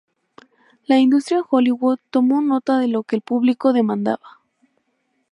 La industria en Hollywood tomó nota de lo que el público demandaba.